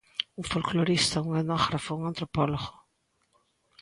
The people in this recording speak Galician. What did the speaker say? Un folclorista, un etnógrafo, un antropólogo?